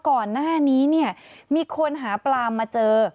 ก่อนหน้านี้เนี่ยมีคนหาปลามาเจอ